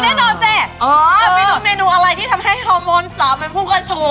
ไม่นึกว่าเมนูอะไรที่ทำให้หอมนสาวมันพุ่งกระชู